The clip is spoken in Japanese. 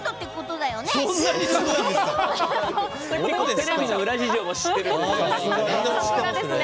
テレビの裏事情も知ってるんですね。